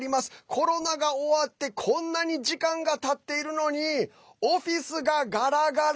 コロナが終わってこんなに時間がたっているのにオフィスがガラガラ！